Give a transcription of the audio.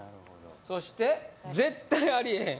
そして絶対ありえへん